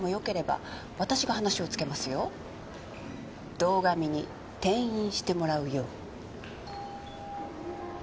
堂上に転院してもらうよう。